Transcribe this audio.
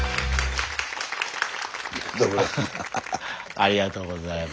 ありがとうございます。